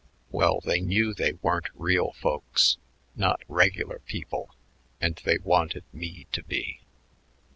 "Well, they knew they weren't real folks, not regular people, and they wanted me to be.